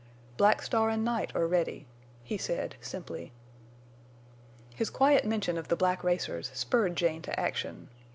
"Black Star an' Night are ready," he said, simply. His quiet mention of the black racers spurred Jane to action.